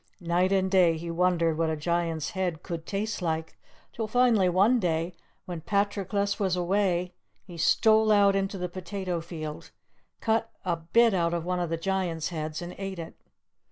Night and day he wondered what a Giant's head could taste like, till finally one day when Patroclus was away he stole out into the potato field, cut a bit out of one of the Giant's heads and ate it.